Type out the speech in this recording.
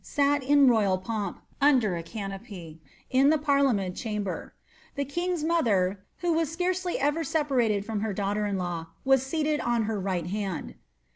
sal in royal pompj uDder k canopy) in the parliament chamber ; tlie king's mother, wh9 iM fcarccly ever separated from her daughter in law, was sealed on her rii^hi hand.